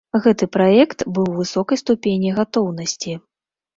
Гэты праект быў у высокай ступені гатоўнасці.